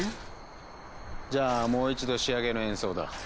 じゃあもう一度仕上げの演奏だ。